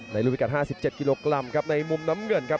รูปพิกัด๕๗กิโลกรัมครับในมุมน้ำเงินครับ